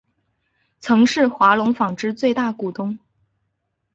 曾是华隆纺织最大股东。